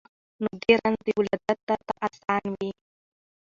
نو دي رنځ د ولادت درته آسان وي